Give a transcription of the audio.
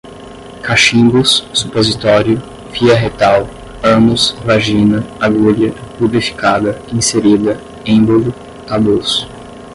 cachimbos, supositório, via retal, ânus, vagina, agulha, lubrificada, inserida, êmbolo, tabus